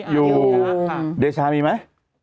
อยู่เดชามีไหม